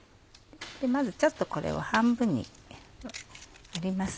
まずちょっとこれを半分に割ります。